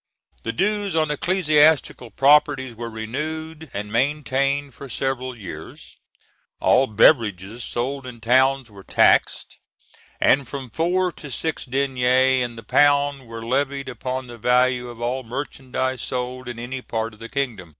The dues on ecclesiastical properties were renewed and maintained for several years; all beverages sold in towns were taxed, and from four to six deniers in the pound were levied upon the value of all merchandise sold in any part of the kingdom.